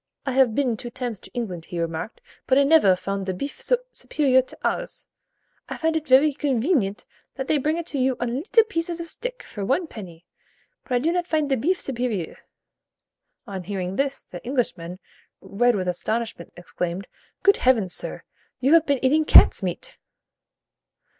'I have been two times in England,' he remarked, but I nevère find the bif so supérieur to ours. I find it vary conveenient that they bring it you on leetle pieces of stick, for one penny: but I do not find the bif supérieur.' On hearing this, the Englishman, red with astonishment, exclaimed, 'Good heavens, sir! you have been eating cat's meat.'"